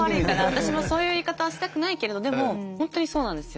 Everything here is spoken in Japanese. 私もそういう言い方をしたくないけれどでも本当にそうなんですよ。